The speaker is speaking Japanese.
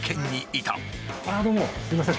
どうもすいません